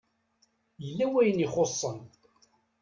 Yella wayen i ixuṣṣen.